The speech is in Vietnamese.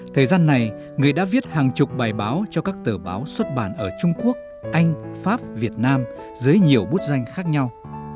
thời gian này người đã viết hàng chục bài báo cho các tờ báo xuất bản ở trung quốc anh pháp việt nam dưới nhiều bút danh khác nhau